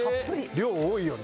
量多いよね。